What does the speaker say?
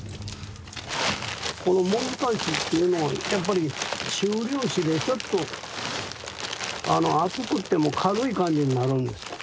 このもぐさ土っていうのはやっぱり中粒子でちょっと厚くっても軽い感じになるんですよ。